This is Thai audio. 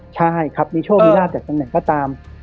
ใช่ครับมีโชคมีราบจากทางไหนก็ตาม